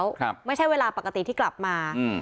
ครับไม่ใช่เวลาปกติที่กลับมาอืม